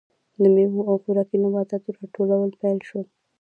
د میوو او خوراکي نباتاتو راټولول پیل شول.